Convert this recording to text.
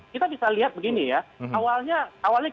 kita bisa lihat begini ya awalnya